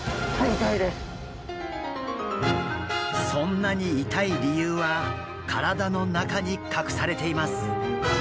そんなに痛い理由は体の中に隠されています。